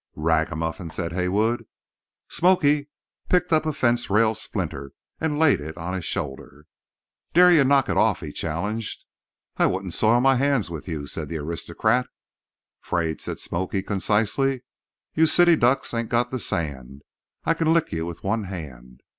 "Ragamuffin!" said Haywood. "Smoky" picked up a fence rail splinter and laid it on his shoulder. "Dare you to knock it off," he challenged. "I wouldn't soil my hands with you," said the aristocrat. "'Fraid," said "Smoky" concisely. "Youse city ducks ain't got the sand. I kin lick you with one hand."